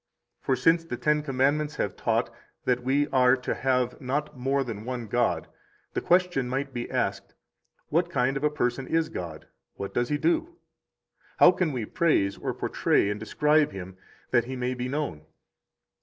For since the Ten Commandments have taught that we are to have not more than one God, the question might be asked, What kind of a person is God? What does He do? How can we praise, or portray and describe Him, that He may be known?